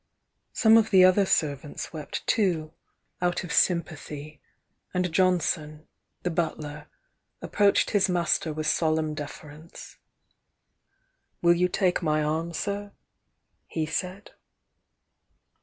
Some of the other servants wept too, out of sympa 08 THE YOUNG DIANA thy, and Jonson, the butler, approached his master with solemn deference. "Will you take my harm, sir?" he said.